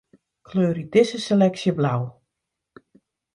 Kleurje dizze seleksje blau.